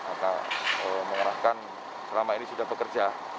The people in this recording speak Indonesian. akan mengarahkan selama ini sudah bekerja